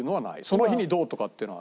その日にどうとかっていうのは。